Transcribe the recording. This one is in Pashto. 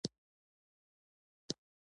زموږ چرګه خپلې وزرې وهي.